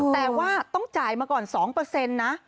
แต่ว่าต้องจ่ายมาก่อน๒นะ